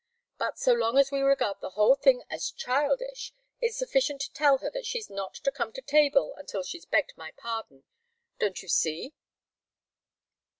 But so long as we regard the whole thing as childish, it's sufficient to tell her that she's not to come to table until she's begged my pardon. Don't you see?"